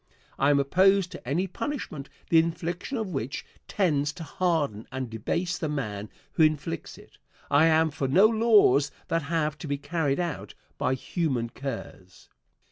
I am opposed to any punishment the infliction of which tends to harden and debase the man who inflicts it. I am for no laws that have to be carried out by human curs.